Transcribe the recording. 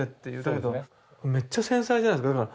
だけどめっちゃ繊細じゃないですか。